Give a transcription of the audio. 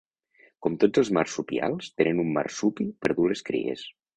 Com tots els marsupials, tenien un marsupi per dur les cries.